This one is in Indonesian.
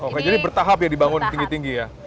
oke jadi bertahap ya dibangun tinggi tinggi ya